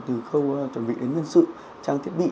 từ khâu chuẩn bị đến nhân sự trang thiết bị